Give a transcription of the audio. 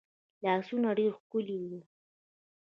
لاسونه دي ښکلي وه